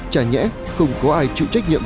chả nhẽ không có ai chịu trách nhiệm